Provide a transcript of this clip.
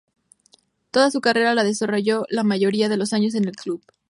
Toda su carrera la desarrolló la mayoría de los años en ese club.